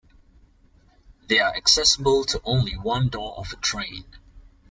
They are accessible to only one door of a train.